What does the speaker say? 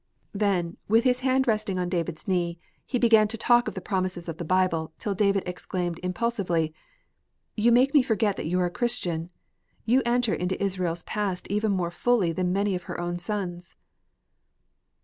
Then, with his hand resting on David's knee, he began to talk of the promises of the Bible, till David exclaimed, impulsively: "You make me forget that you are a Christian. You enter into Israel's past even more fully than many of her own sons."